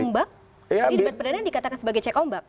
jadi debat perdana yang dikatakan sebagai cek ombak